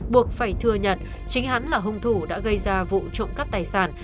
buộc phải thừa nhận chính hắn là hung thủ đã gây ra vụ trộm cắp tài sản